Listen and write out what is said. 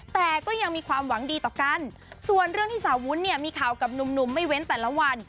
แต่ก็ยังมีความหวังดีต่อกันส่วนเรื่องที่สาววุ้นเนี่ยมีข่าวกับหนุ่มไม่เว้นแต่ละวัน